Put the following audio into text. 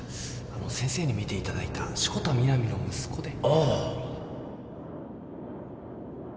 あの先生に診ていただいた志子田南の息子で